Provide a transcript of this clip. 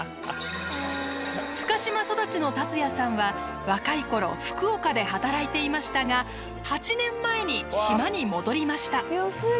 深島育ちの達也さんは若いころ福岡で働いていましたが８年前に島に戻りました。